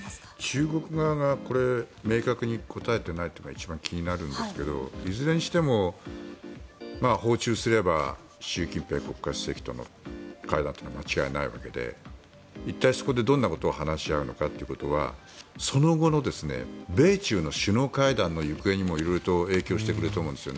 中国側がこれ明確に答えていないというのが一番気になるんですけどいずれにしても訪中すれば習近平国家主席との会談というのは間違いないわけで一体、そこでどんなことを話し合うのかはその後の米中の首脳会談の行方にも色々と影響してくると思うんです。